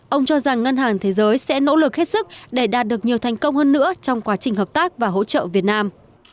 ông cho rằng ngân hàng thế giới sẽ nỗ lực hết sức để đạt được nhiều thành công hơn nữa trong quá trình hợp tác và hỗ trợ việt nam